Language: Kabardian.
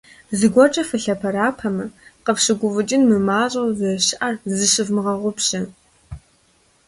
ЗыгуэркӀэ фылъэпэрапэмэ, къыфщыгуфӀыкӀын мымащӀэу зэрыщыӀэр зыщывмыгъэгъупщэ!